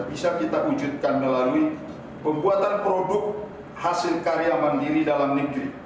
bisa kita wujudkan melalui pembuatan produk hasil karya mandiri dalam negeri